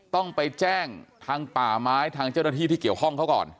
ต้องไปแจ้งทางป่าไม้ทางเจ้าหน้าที่ที่เกี่ยวข้องเขาก่อน